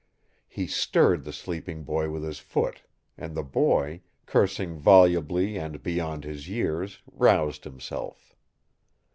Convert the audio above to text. He stirred the sleeping boy with his foot, and the boy, cursing volubly and beyond his years, roused himself.